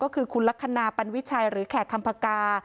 ก็คือคุณลักษณะปันวิชัยหรือแขกคำพกา